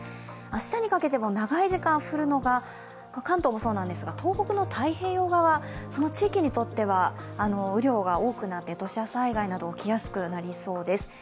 明日にかけては長い時間降るのは関東もそうなんですが、東北の太平洋側、その地域にとっては雨量が多くなって土砂災害などが起きやすくなりそうです。